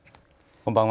こんばんは。